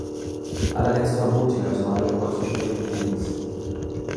Allerdings verbot die neutrale preußische Regierung dies.